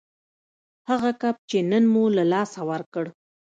هغه کب چې نن مو له لاسه ورکړ